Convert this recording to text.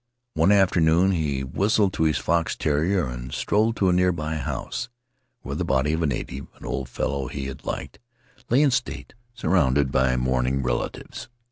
One afternoon he whistled to his fox terrier and strolled to a near by house, where the body of a native (an old fellow he had liked) lay in state, surrounded by mourning relatives.